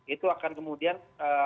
itu akan kemudian